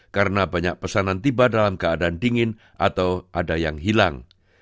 karena banyak pesanan tiba dalam keadaan dingin atau ada yang hilang